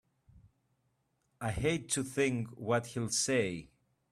I hate to think what he'll say!